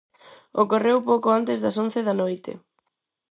Ocorreu pouco antes das once da noite.